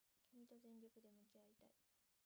君と全力で向き合いたい